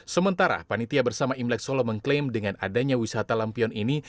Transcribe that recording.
sementara panitia bersama imlek solo mengklaim dengan adanya wisata lampion ini